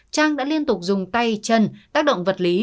trang đã liên tục dùng tay chân tác động vật lý